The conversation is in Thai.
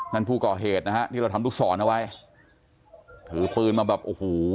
นั่นผู้ก่อเหตุนะฮะที่เราทำลูกศรเอาไว้ถือปืนมาแบบโอ้โห